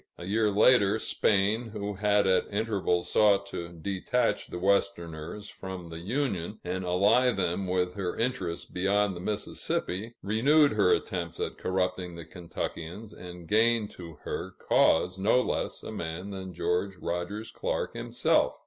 A year later, Spain, who had at intervals sought to detach the Westerners from the Union, and ally them with her interests beyond the Mississippi, renewed her attempts at corrupting the Kentuckians, and gained to her cause no less a man than George Rogers Clark himself.